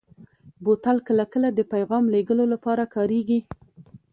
بوتل کله کله د پیغام لېږلو لپاره کارېږي.